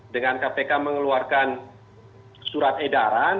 dengan kpk mengeluarkan surat edaran